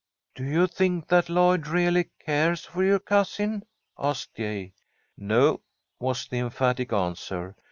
"Do you think that Lloyd really cares for your cousin?" asked Gay. "No," was the emphatic answer.